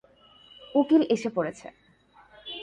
উকিল এসে পড়েছে।